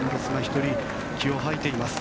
１人、気を吐いています。